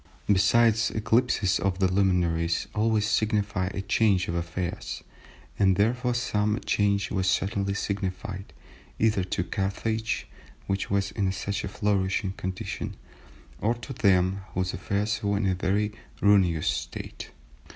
Besides, eclipses of the luminaries always signify a change of affairs, and therefore some change was certainly signified, either to Carthage, which was in such a flourishing condition, or to them whose affairs were in a very ruinous state."